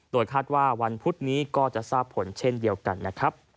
โดยคาดว่าวันพุธนี้ก็จะทราบผลเช่นเดียวกันนะครับ